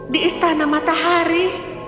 di istana matahari